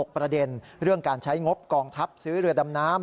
ประเด็นเรื่องการใช้งบกองทัพซื้อเรือดำน้ำ